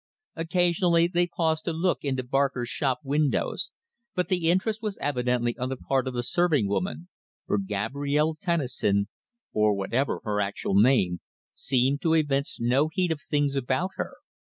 Occasionally they paused to look into Barker's shop windows, but the interest was evidently on the part of the serving woman, for Gabrielle Tennison or whatever her actual name seemed to evince no heed of things about her.